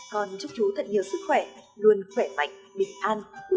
con chúc chú thật nhiều sức khỏe luôn khỏe mạnh bình an